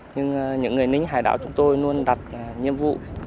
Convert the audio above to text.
nhưng những người nính hải đảo chúng tôi luôn đặt nhiệm vụ